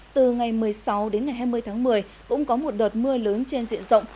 từ ngày một mươi sáu đến ngày hai mươi tháng một mươi cũng có một đợt mưa lớn trên diện rộng